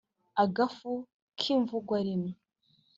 agafu kimvugwarimwe”